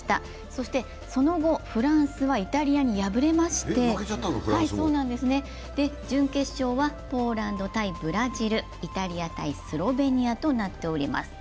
そしてその後、フランスはイタリアに敗れまして準決勝はポーランド×ブラジル、イタリア×スロベニアとなっています。